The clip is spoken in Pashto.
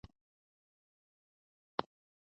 ايا تاسې خپل ښوونځی ښکلی کړی دی؟